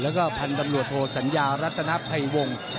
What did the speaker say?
แล้วก็พันธุ์ตำรวจโทสัญญารัฐนภัยวงศ์